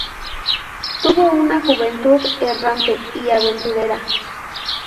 Tuvo una juventud errante y aventurera.